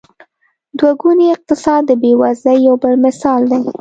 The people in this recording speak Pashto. دوه ګونی اقتصاد د بېوزلۍ یو بل مثال دی.